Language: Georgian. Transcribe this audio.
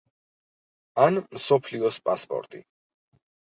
ან მსოფლიოს პასპორტი.